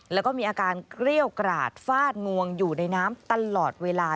แล้วก็มีอาการเกรี้ยวกราดฟาดงวงอยู่ในน้ำตลอดเวลา